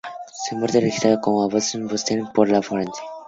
Su muerte fue registrada como "combustión espontánea" por el forense.